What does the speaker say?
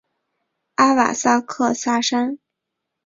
阿瓦萨克萨山。